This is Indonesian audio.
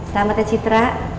selamat ya citra